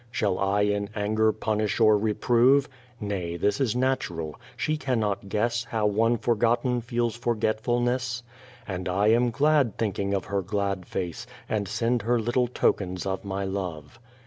Shall I in anger punish or reprove? Nay, this is natural ; she cannot guess How one forgotten feels forgetfulness ; And I am glad thinking of her glad face, And send her little tokens of my love.